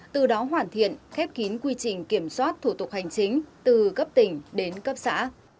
từ đó hoàn thiện khép kín quy trình kiểm soát thủ tục hành chính từ cấp tỉnh đến cấp xã